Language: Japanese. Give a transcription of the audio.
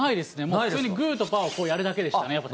普通にグーとパーをやるだけでしたね。